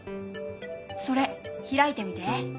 それ開いてみて。